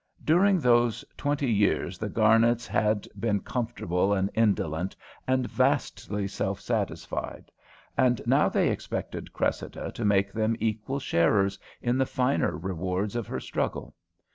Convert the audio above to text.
During those twenty years the Garnets had been comfortable and indolent and vastly self satisfied; and now they expected Cressida to make them equal sharers in the finer rewards of her struggle.